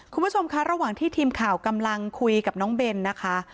คุณผู้ชมคะระหว่างที่ทีมข่าวกำลังคุยกับน้องเบนนะคะ